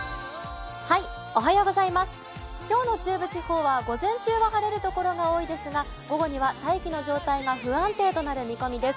今日の中部地方は午前中は晴れる所が多いですが午後には大気の状態が不安定となる見込みです